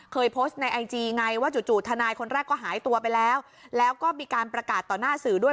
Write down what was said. เคยโพสต์ในไอจีไงว่าจู่ทนายคนแรกก็หายตัวไปแล้วแล้วก็มีการประกาศต่อหน้าสื่อด้วย